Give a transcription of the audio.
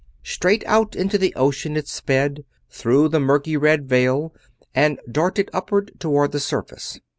Straight out into the ocean it sped, through the murky red veil, and darted upward toward the surface.